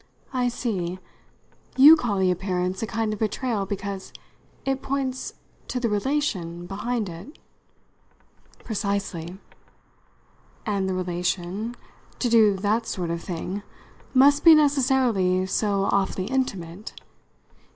"I see. You call the appearance a kind of betrayal because it points to the relation behind it." "Precisely." "And the relation to do that sort of thing must be necessarily so awfully intimate."